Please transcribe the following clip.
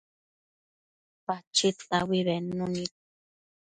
Pachid taui bednu nid